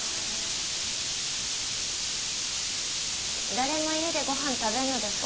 誰も家でご飯食べんのですか？